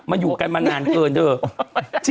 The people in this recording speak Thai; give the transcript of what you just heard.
มันอยู่กันมานานเกินเถอะ